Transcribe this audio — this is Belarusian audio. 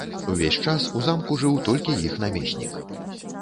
Увесь час у замку жыў толькі іх намеснік.